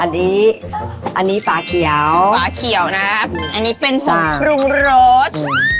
อันนี้อันนี้ฝาเขียวฝาเขียวนะอันนี้เป็นผงปรุงรส